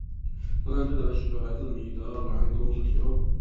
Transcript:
车站最早的需求来自米德兰铁路公司。